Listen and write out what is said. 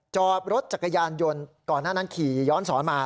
จอดรถจักรยานยนต์ก่อนหน้านั้นขี่ย้อนสอนมา